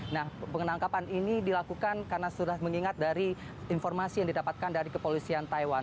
nah penangkapan ini dilakukan karena sudah mengingat dari informasi yang didapatkan dari kepolisian taiwan